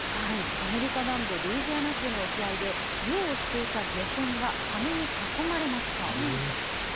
アメリカ南部ルイジアナ州の沖合で、漁をしていた漁船がサメに囲まれました。